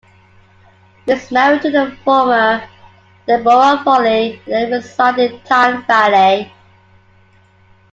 He is married to the former Deborah Foley and they reside in Tyne Valley.